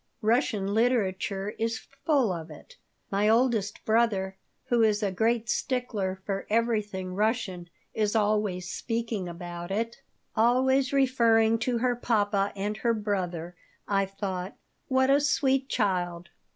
Russian literature is full of it. My oldest brother, who is a great stickler for everything Russian, is always speaking about it." "Always referring to her papa and her brother," I thought. "What a sweet child."